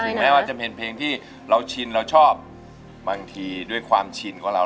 แม้ว่าจะเป็นเพลงที่เราชินเราชอบบางทีด้วยความชินของเรา